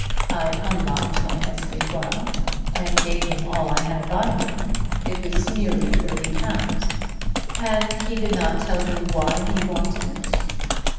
I unlocked my escritoire, and gave him all I had by me. It was nearly thirty pounds." "And he did not tell you why he wanted it?"